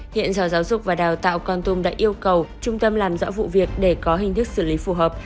hiện sở giáo dục và đào tạo con tum đã yêu cầu trung tâm làm rõ vụ việc để có hình thức xử lý phù hợp